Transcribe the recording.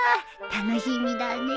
楽しみだね。